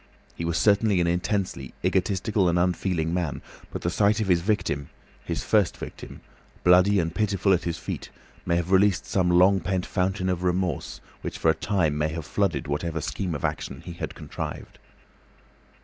He was certainly an intensely egotistical and unfeeling man, but the sight of his victim, his first victim, bloody and pitiful at his feet, may have released some long pent fountain of remorse which for a time may have flooded whatever scheme of action he had contrived.